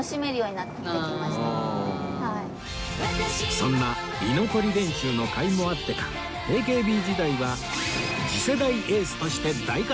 そんな居残り練習のかいもあってか ＡＫＢ 時代は次世代エースとして大活躍！